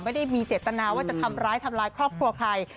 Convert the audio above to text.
ไม่ได้มีเจตนาว่าจะทำร้ายทำร้ายครอบครัวใคร